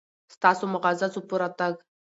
ستاسو معززو په راتګ